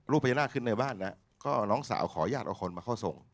พญานาคขึ้นในบ้านนะก็น้องสาวขออนุญาตเอาคนมาเข้าทรง